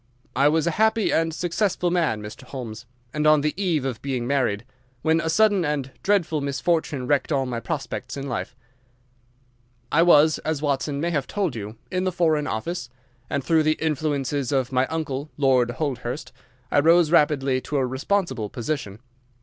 I was a happy and successful man, Mr. Holmes, and on the eve of being married, when a sudden and dreadful misfortune wrecked all my prospects in life. "I was, as Watson may have told you, in the Foreign Office, and through the influences of my uncle, Lord Holdhurst, I rose rapidly to a responsible position.